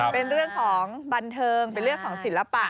เป็นเรื่องของบันเทิงเป็นเรื่องของศิลปะ